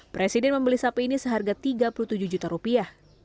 presiden membeli sapi ini seharga tiga puluh tujuh juta rupiah